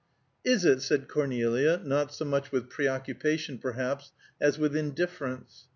"Is it?" said Cornelia, not so much with preoccupation, perhaps, as with indifference.